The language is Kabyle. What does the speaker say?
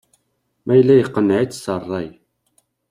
Ma yella iqneɛ-itt s rray.